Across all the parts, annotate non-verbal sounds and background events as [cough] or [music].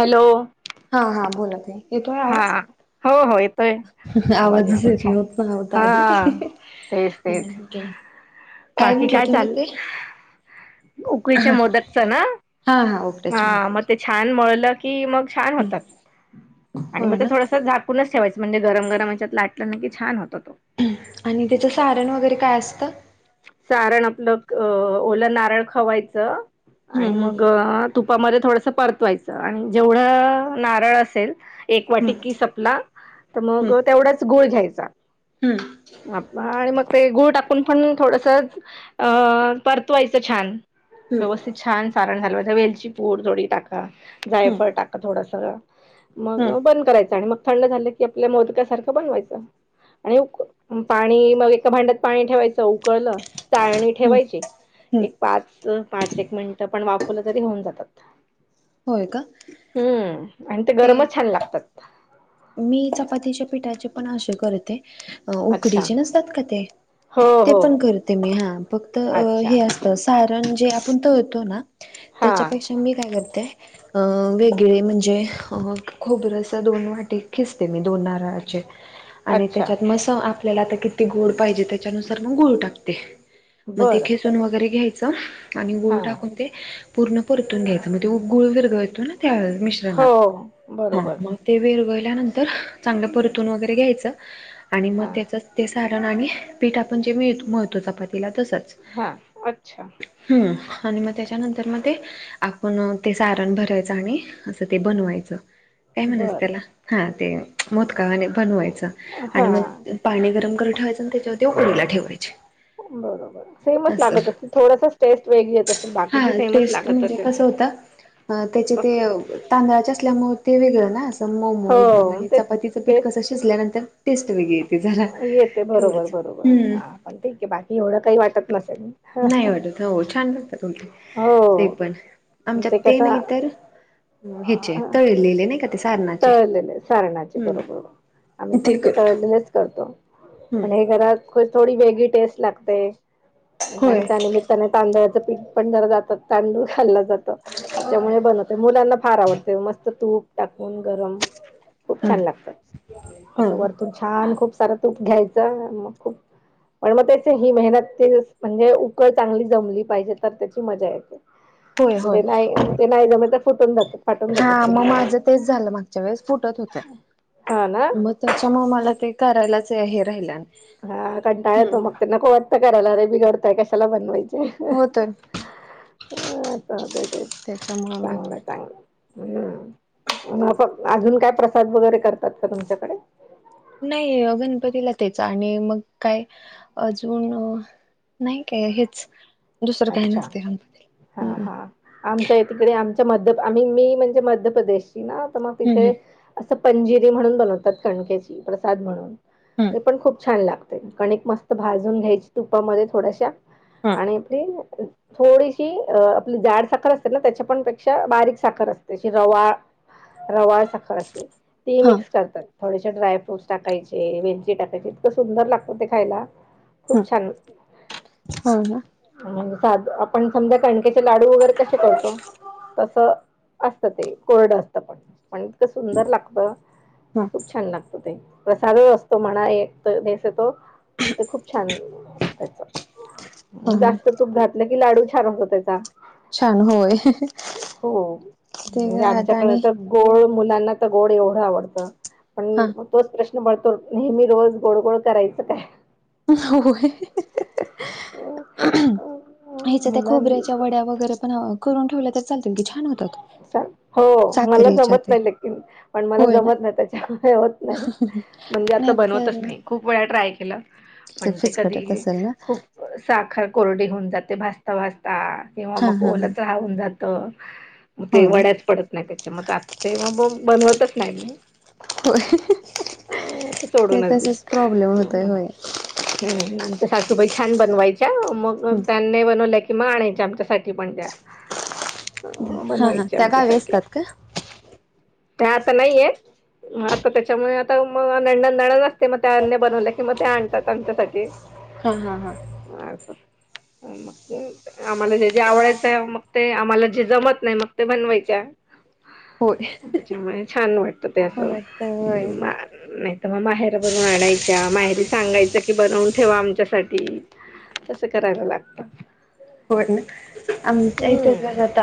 Hello हा हा बोल ताई. येतोय हा आवाज, हो हो येतोय आवाज आवाजच येतोय येत छान नव्हता आधी हा तेच तेच [unintelligible] बाकी म्हटलं काय तुम्ही चाल ते? उकळीच्या हा. मोदकच ना हा हा उपटाच्या हा मग ते मोदकाची छान मळलं की मग छान होतात आणि होय मग ते ना थोडस झाकूनच ठेवायचं. म्हणजे गर गरम याच्यात लाटलं नकी छान होतो तो. आणि त्याचं सारण वगैरे काय असतं. सारण आपलं ओला नारळ खवायचं आणि हम्म मग हम्म तुपामध्ये थोडस परतवायचं आणि जेवढं नारळ असेल. एक वाटी की सपला तर हम्म मग तेवढाच गोळ घ्यायचा हम्म हम्म अ् आणि मग ते गुळ टाकून पण थोडस अ परतवायचं छान. व्यवस्थित छान सारण झालं म्हणजे वेलची पूर थोडी टाका, हम्म हम्म जायफळ टाका थोडस ग मग हम्म बंद करायचं आणि मग थंड झालं की आपल्या मोदक सारखं बनवायचं. आणि पाणी मग एका भांड्यात पाणी ठेवायचं. ते उकळल चाळणी हम्म ठेवायची हम्म एक पाच पाच एक मिनटं पण वापूलं तरी होऊन जातात. होय का. हम्म आणि ते गरमच छान लागतात. मी चपातीच्या पिठाचे पण असे करते अच्छा उकडीचे नसतात का ते. हो ते हो पण करते मी हा फक्त अच्छा हे असत स कारण जे आपण तर होतो ना हा त्याच्यापेक्षा मी काय करत ते अ वेगळे म्हणजे खबर असं दोन वाट खचते मी दोन नार आणि अच्छा त्याच्यात मस आपल्याला आता किती गोड पाहिजे त्याच्यानुसार मग गुळ टाकते मग ते बरं खेसून वगैरे घ्याय आणि गुळ हा टाकून ते पूर्ण परतून घ्यायचं म्हणजे गुळ विरगळतो ना. हो मिश्रणात हा बरोबर मग ते त्या नंतर ते चांगलं परतून वगैरे घ्यायचं आणि हां त्याच ते सारण पीठ आपण जे मळतो म तिला तसच हां अच्छा हम आणि मग त्यानंतर म ते पण ते सारण भरायचं आणि असं ते बनवायचं काय म्हणास बरं त्याला हा ते मोदक ने बनवायच आणि हां. मग पाणी गरम करून ठेवायचं त्याच्यावरती उकडीला ठेवायचे. बरोबर सेमच असं. लागत असते थोडासाच टेस्ट वेगळी येत असेल हा बाकीच सेमच टेस्ट लागत म्हणजे असेल. कसं होतं अ त्याचे फक्त ते तांदळाचे असल्यामुळे ते वेगळं ना असं हो मऊमऊ एकदम आणि तेच चपातीचं पीठ तेच कसं शिजल्यानंतर टेस्ट वेगळी येते झाला येते बरोबर एवढंच. [unintelligible] हम्म पण ते बाकी एवढं काही वाटत नसेल. नाही वाटत हो छान होतात उलटे ते हो पण आमच्यात ते नाही तर हेचे तळलेले नाही का ते सारना तळलेले सारणाचे बरोबर आम्ही पण ते तळलेलेच करतो हम्म पण हे घरात थोडी वेगळी टेस्ट लागते होय आणि त्या निमित्तानं तांदळाचं पीठ पण जर जात तांदूळ खाल्ला त्याच्यामुळे बनतं मुलांना फार आवडते मस्त तूप टाकून गरम खूप ह छान लागतं असं वरतून छान खूप सारं तूप घ्यायचं मग खूप पण मग त्याचे ही मेहनत ते म्हणजे उकळ चांगली जमली पाहिजे तर त्याची मजा येते होय होय ते नाही ते नाही जमलं तर फुटून जात फाटून जात हा ते मग. माझं तेच झालं मागच्या वेळेस फुटत होतं हा ना. मग त्याच्या म ते करायलाच हे राहिल्या हा कंटाळा येतो मग ते नको वाटतं करायला रे बिघडतंय कशाला बनवायचं. हो तर ह ते तेच त्याच्यामुळे मी चांगलं चांगलं. हम्म फक्त अजून काय प्रसाद वगैरे करतात का तुमच्याकडे नाही गणपतीला तेच आणि मग काय अजून नाही काय हेच दुसरं काही अच्छा नसते गणपतीला हा हम्म हा आमच्या तिकडे आम मध्य आम्ही मी म्हणजे मध्यप्रदेशी ना तर मग हम्म तिथे स पंजिरी म्हणून बनवतात कणक्याची प्रसाद म्हणून हम्म ते पण खूप छान लागत कणिक मस्त भाजून घ्यायची तुपामध्ये थोड्याशा आणि आपली ह थोडीशी अ आपली जाड साखर असते ना त्याच्या पणपेक्षा बारीक साखर असतेशी रवा रवाळ साखर असते ती मिक्स हा करतात थोडेसे ड्रायफ्रूटस टाकायचे वेलची टाकायचे इतकं सुंदर लागतं ते खायला. हम् खूप छान हो का साध आपण समजा कणकेचे लाडू वगैरे कसे करतो तस असतं ते कोरडं असतं पण पण इतकं सुंदर लागतं हा खूप छान लागतं ते प्रसादच असतो म्हणा एक [unintelligible] तो ते खूप छान त्याच हा जास्त तूप घात न की लाडू छान होतो त्याचा. छान होय हो ते म्हणजे आता आमच्याकडे आणि तर गोड मुलांना तर गोड एवढं आवडतं पण हा तो प्रश पडतो नेहमी रोज गोड गोड करायचं काय? होय हेच्या त्या मुलां खोबऱ्याच्या वड्या वगैरे पण ह करून ठेवलं तर चालतील की छान होतात. हो मला साखरेच्या जमत ते नाही लेकिन पण मला होय ना जमत नाही त्याच्यामुळे होत नाही म्हणजे आता नाहीतर बनवतचं नाय खूप वेळा ट्राय पण ते फिचकटत कधी असेल ना खूप साखर कोरडी हून जाते भाजता भाज किंवा हा मग हा हा ओलच राहून जात मग ते हो ना वड्याच पडत नाही त्याच्या मग आ ते मग बनवतच नाही मी होय अ ते सोडूनच तसच प्रॉब्लेम होतय दिलं. होय हम्म आमच्या सासूबाई छान बनवायच्या मग त्यांनी बनवल्या की म आणायच्या आमच्यासाठी पण त्या हो हा हा बनवायची त्या गावी आमच्यासाठी असतात का? त्या आता नाहीये म आता त्याच्यामुळे आता मग नंनद असते मग त्यांनी बनवल्या कि मग ते आणतात आमच्यासाठी. हा हा हा असं. मग आम्हाला जे जे आवडायचं मग ते आम्हाला जे जमत नाही मग ते बनवायच्या त्याच्यामुळे छान वाटत ते असं होय तर होय नाही. तर मग माहेरा बरून आणायच्या, माहेरी सांगायच कि बनवून ठेवा आमच्यासाठी. तसं करायला लागत. हो ना आम तच जात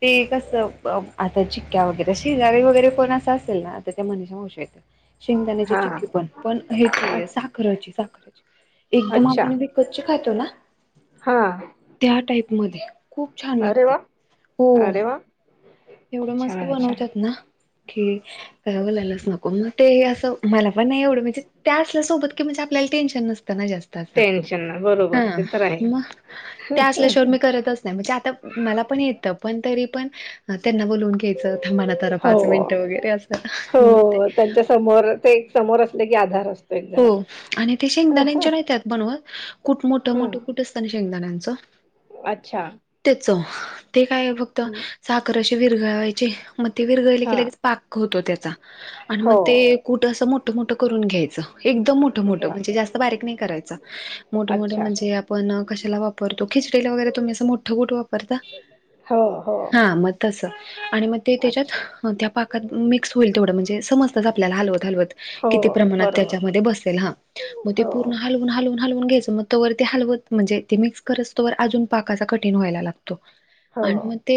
ते कसं आता चिक्क्या वगैरे शेजारी वगैरे कोण असं असेल ना तर त्या मनीषा मावशी येत्यात शेंगदाण्याची हा चिक्की पण पण हेच अच्छ साखरची साखरची एकदम अच्छा आपण विकतची खतो ना हा त्या टाईप मध्ये खूप छान अरे लागते वा हो अरे वा एवढं मस्त छान छान बनवतात ना की काय बोलालंच नको मग ते असं मला पण नाही एवडं म्हणजे त्या असल्यासोबत कि आपल्याला टेन्शन नसतं ना जास्त असतं टेन्शन ना हा बरोबर ते तर आहे मग त्या असल्याशिवर मी करतच नाही म्हणजे आता मला पण येतं पण तरी पण अ, त्यांना बोलवून घ्यायचं तर मणा तर हो पाच मिनटं वगैरे असं मग ते हो त्यांच्या समोर ते एक समोर अस ला की आधार असतो एक हो जरा आणि ते शेंगदाण्या यांच्यात बनवा कुठ मोठं मोठं हम्म कुठ असत शेंगदाण्यांचं अच्छा त्याच ते काय फक्त हम्म, साखर अशी विरगवायचे मग ते विरगळले हा के पाक त्याचा आणि मग हो ते कुठ अस मोठ मोठं करून घ्यायच एकदम मोठ मोठं बर म्हणजे जास्त बारीक नाही करायच मोठ, मोठं अच्छा म्हणजे आपण कशाला वापरतो खिचडीला वगैरे तुम्ही असं मोठं कुठ वापरता हो हो हा मग तसं आणि मग ते त्याच्यात अच्छा त्या पाकात मिक्स होईल तेवढं म्हणजे समज आपल्याला हलवत, हलवत हो किती प्रमाणात बरोबर त्याच्यामध्ये बसेल हा मग ते हो पूर्ण हलवून, हलवून हलवून घ्यायं मग त ते हलवत म्हणजे ते मिकस करत तवर अजून पाकाचा कठीण व्हायला लागत हो आणि मग ते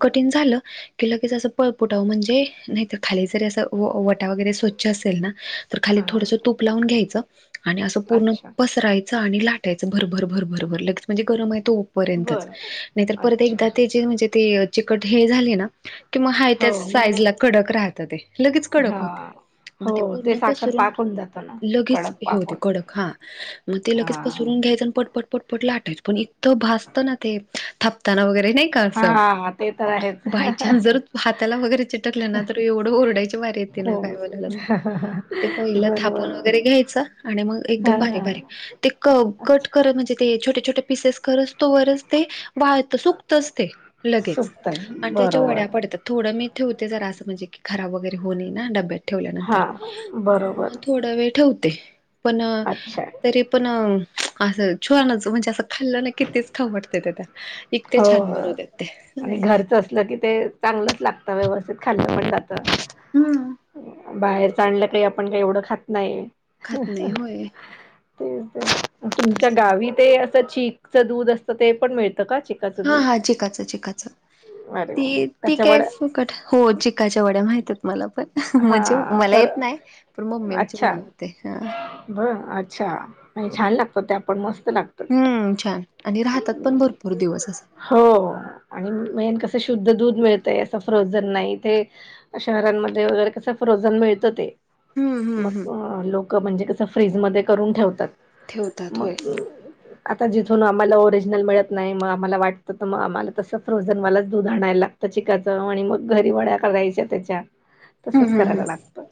कठीण झालं कि ल कीच असं प पुटाव म्हणजे नाहीत खाली जरी असं व वटा वगैरे स्वच्छ असेल ना तर खाली हा थोडसं तूप लावून घ्यायचं आणि असं पूर्ण अच्छा पसरायचं आणि लाटायचं भर, भर, भर, भर लेच म्हणजे गरम आहे तोपर्यंतच बर नाहीर परत अच्छा एकदा तेे म्हणजे ते चिकट हे झाली ना कि मग हा हो त्या मग साईज ला कडक राहत ते लगेच कडक हा होते मग ते पूर्ण साखर पसरून पाकून जात ना लगेच कडक हे पाक होते होत कडक हा मग ते लगेच हा पसरून घ्यायचं आणि पटपट पटपट ला आटायचं पण तो भासतो ना ते थापताना वगैरे नाही का असं हा ते तर आहेच बाय न्स जर हाताला वगैरे चिटकले ना तर एवढं ओरडायची वारी येते ना काय वला सांग हा ह हा ते पहिलं थापून वगैरे घ्यायचं आणि मग हा एकदम बारी बारीक ते क कट अच्छा करत म्हणजे ते छोटे छट पिसेस ख तोच ते वाळत सुकतच ते लगेच सुपतन आणि त्याच्या वड्या बरोबर पडत थोडं मी - ठेवते जरा असं म्हजे की खराब वगैरे होऊ नये ना डब्यात ठेवल्यानंतर हा म्हणून बरोबर मग थोडा वेळ ठेवते पण अच्छा तरी पण असं ूनच म्हणजे असं खाल्लं ना कितीच खावडते त्या इतके हो छान बनवतात ते नाही. चांगलच लागतं व्यवस्थित खाल्लं पण जात, हम्म बाहेरच आणलं काही आपण काही एवढं खात नाही. खात नाही होय तेच, तेच तुमच्या गावी ते असं ची दूध असतं ते पण मिळत हा, हा चिकाच, चिकाच अरे ती वा ती त्याच्या काय वड्या फुकट हो चिकाच्या वड्या माहित मला पण म्हणजे हा मला कर येत नाही पण मम्मी आमची अच्छा बनवते बर अच्छा आणि छान लागतो ते आपण मस्त लागतं हम्म छान आणि राहतात पण भरपूर दिवस असे हो आणि मेन कसं शुद्ध दूध मिळतं ते असं फ्रोझन नाही ते शहरांमध्ये वगैरे कसं फ्रोझन मिळतं ते हम्म हम्म हम्म मग अ लोकं म्हणजे कसं फ्रीज मध्ये करून ठेवतात ठेवतात होय मग आता जिथून आम्हाला ओरिजिनल मिळत नाही मग आम्हाला वाटतं तर मग आम्हाला तसं फ्रोझनवालाच दूध आणायला चिकाचं आणि मग घरी वड्या करायच्या त्याच्या हम्म तसंच हम्म करायला हम्म लागतं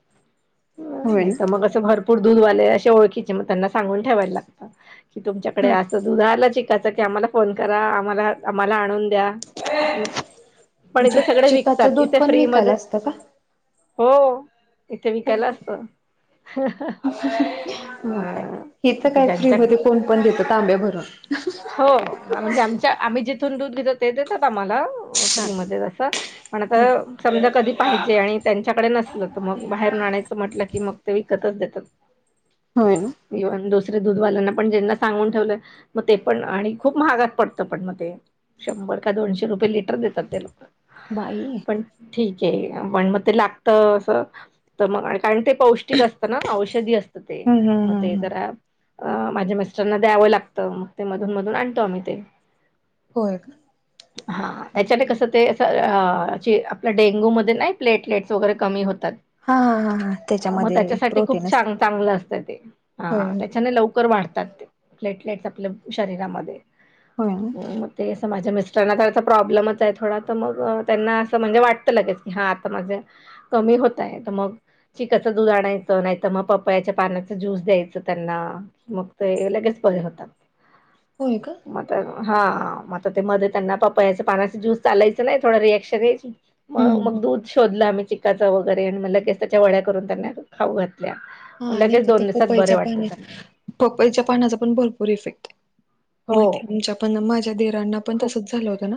होय नाहीतर ना मग असं भर कोण दूधवाले असे ओळखीचे म त्यांना सांगून ठेवायला लागतं की तुमच्याकडे असं दूध आलं त्याचा की आम्हाला फोन करा आम्हाला -आम्हाला आणून द्या-पण म्हणजे इथे सगळे चिकाचं विकतात दूध इथे पण फ्री विकायला मध्ये असतं का हो इथे होय विकयला होय असतं हाह हह. हो काय इथं काय फ्री मध्ये कोण पण देतं तांबे हो म्हणजे आमच्या आम्ही जिथून दूध घेत ते देतात आम्हाला अ- हा फ्री मध्ये असं पण आता समजा कधी पाहिजे आणि त्यांच्याकडे नसलं तर मग बाहेरून आणायचं म्हटलं की मग ते विकतचं देतात. होय ना [unintelligible] म्हणजे दूधवाल्यांना पण जेंना सांगून ठेवलं मग ते पण आणि खूप महागात पडतं पण मग ते शंभर का दोनशे रुपये लिटर देतात ते लोकं बाई ते पण मग ते लागतं अस तर मग कारण ते पौष्टिक असतं ना औषधी असतं ते हम्म हम्म मग ते हम्म जरा अ- माझ्या मिस्टरांना द्यावं लागतं मग ते मधून -मधून आणतो आम्ही ते होय हा त्याच्याने का कसं ते असं अ-आपलं डेंगूमध्ये नाही प्लेटलेट्स वगैरे कमी होत हा हा हा हा [unintelligible] मग त्याच्यामध्ये त्याच्यासाठी खूप प्रोटीन असते चां- चांगलं असतं ते होय हा होय त्याच्याने लवकर वाढत असतात ते प्लेटलेट्स आपल्या शरीरामध्ये होय ना अ- म ते माझ्या मिस्टर [unintelligible] चा प्रॉब्लेमच आहे थोडा तर मग त्यांना असं म्हणजे वाट लगेच की हा आता माझं कमी होत आहे तर मग चिकाच दूध आणायचं नाहीत मग पपयाच्या पानाचा ज्यूस द्यायचं त्यांना मग ते लगेच बरे होतात. होय का? मग आता हा म आता ते मध्ये त्यांना पपयाच पानाचं ज्यूस चालायचं नाही थोडं रिॲक्शन यायची- मग हम्म -मग दूध शोधलं आम्ही चिक्काच वगैरे आणि म लगेच त्याच्या वड्या करून त्यांना खाऊ घात हा आणि तिथे पपईच्या त्यांना पाण्यात पपईच्या पानाचा पण भरपूर इफेक्ट आहे. हो माहिती आहे आमच्या पण माझ्या दिरांना पण खूप तसंच झालं होतं ना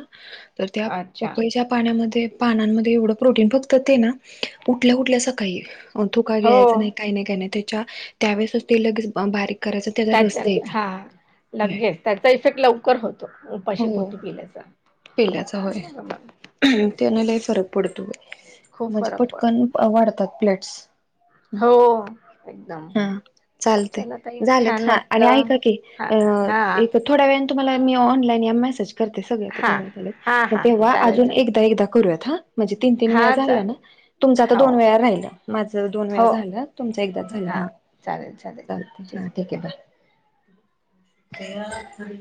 तर त्या अच्छा पपईच्या पानांमध्ये ते पानांमध्ये एवढं प्रोटीन फक्त ते ना उठल्या -उठल्या सकाळी थुका हो गिळायचा नाही. मी की नाय तेच्या त्यावेळेसच लगेच बारीक करायचं तेचा रस त्याच्या द्यायचा हा होय. लगेच त्याचा इफेक्ट लवकर होतो उपाशी हो पोटी पिल्याचा पिल्याचा होय बरोबर. तेच तेनं लय तेच फरक पडतो खूप म्हणजे फरक पडतो पटकन वाढतात प्लॅट हम हो एकदम चला ताई चालतंय झाल्यात छान हा आणि वाटलं ऐका की हा अ- हा इथं थोड्या वे तुम्हाला मी ऑनलाइन या मेसेज करते सगळे इथं हा घरात आलेत हा म हा तेव्हा चालेल अजुन चालेल एकदा- एकदा करुयात हा म्हणजे तीन- तीन वेळा हा झाला चाल ना तुमचा आता हो दोन वेळा राहिलं माझं दोन वेळा हो झालं तुमचा एकदा झाला हां हा चालेल चालेल चालतंय हा ठीक आहे बाय ते [inaudible]